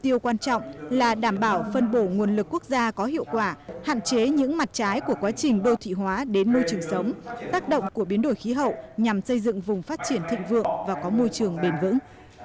mục tiêu quan trọng là đảm bảo phân bổ nguồn lực quốc gia có hiệu quả hạn chế những mặt trái của quá trình đô thị hóa đến môi trường sống tác động của biến đổi khí hậu nhằm xây dựng vùng phát triển thịnh vượng và có môi trường bền vững